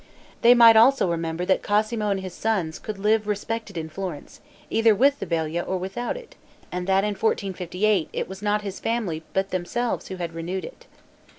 They might also remember that Cosmo and his sons could live respected in Florence, either with the Balia or without it, and that in 1458, it was not his family, but themselves, who had renewed it.